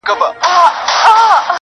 یو سړی په دې یخنۍ کي مسافر سو -